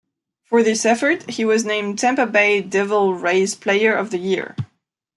For this effort, he was named Tampa Bay Devil Rays player of the year.